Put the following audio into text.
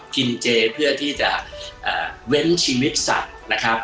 กินเจเพื่อที่จะเว้นชีวิตสัตว์นะครับ